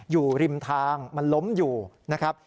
อยู่ริมทางมันล้มอยู่นะครับ